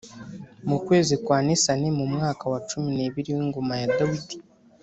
Mu kwezi kwa Nisani mu mwaka wa cumi n’ ibiri w ‘ingoma Dawid